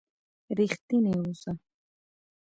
رښتينی اوسه